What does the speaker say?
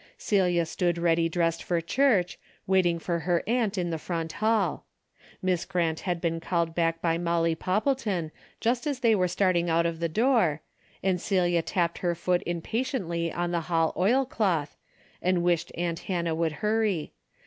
Celia stood ready dressed for church, waiting for her aunt in the front hall. Miss Grant had been called back by Molly Poppleton, just as they were starting out of the door, and Celia tapped her foot impatiently on the hall oilcloth and wished aunt Hannah would hurry.